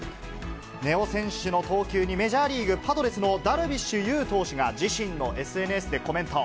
根尾選手の投球に、メジャーリーグ・パドレスのダルビッシュ有投手が、自身のＳＮＳでコメント。